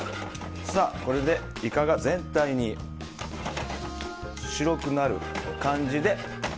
これでイカが全体に白くなる感じで。